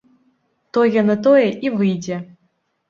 Тое на тое і выйдзе.